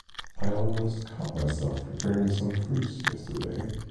I almost cut myself preparing some fruits yesterday.